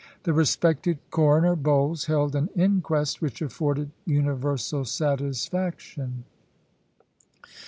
The respected Coroner Bowles held an inquest, which afforded universal satisfaction."